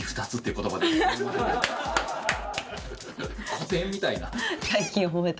古典みたいな。